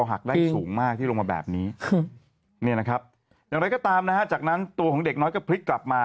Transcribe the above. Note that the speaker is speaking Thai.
หักได้สูงมากที่ลงมาแบบนี้เนี่ยนะครับอย่างไรก็ตามนะฮะจากนั้นตัวของเด็กน้อยก็พลิกกลับมา